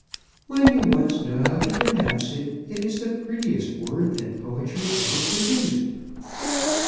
"When you once know how to pronounce it it is the prettiest word that poetry ever produced!"